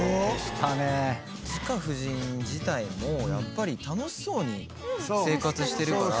チカ婦人自体もやっぱり楽しそうに生活してるから。